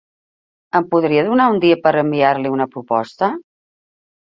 Em podria donar un dia per enviar-li una proposta?